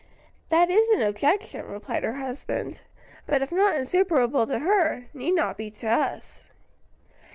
"That is an objection," replied her husband, "but if not insuperable to her, need not be to us."